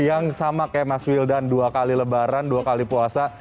yang sama kayak mas wildan dua kali lebaran dua kali puasa